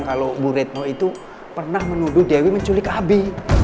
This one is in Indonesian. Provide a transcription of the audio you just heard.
kalau bu retno itu pernah menuduh dewi menculik abi